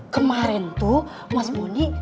kemarin tuh mas mondi